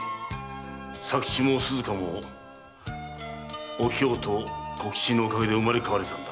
佐吉も鈴華もお京と小吉のおかげで生まれ変われたんだ。